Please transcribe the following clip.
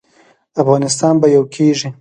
افغانستان به یو کیږي